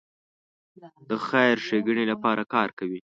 د خیر ښېګڼې لپاره کار کوي.